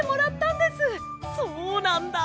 そうなんだ。